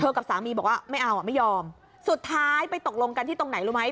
กับสามีบอกว่าไม่เอาอ่ะไม่ยอมสุดท้ายไปตกลงกันที่ตรงไหนรู้ไหม